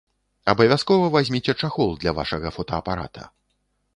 Абавязкова вазьміце чахол для вашага фотаапарата.